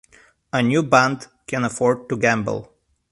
A new band can afford to gamble.